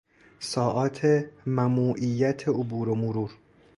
ساعات مموعیت عبور و مرور